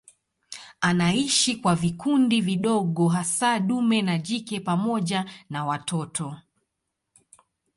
Anaishi kwa vikundi vidogo hasa dume na jike pamoja na watoto.